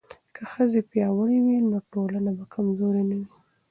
که ښځې پیاوړې وي نو ټولنه به کمزورې نه وي.